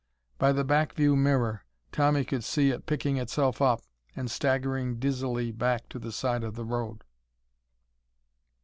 By the back view mirror, Tommy could see it picking itself up and staggering dizzily back to the side of the road.